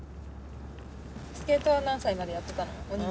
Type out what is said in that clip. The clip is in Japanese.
スケートは何歳までやってたの？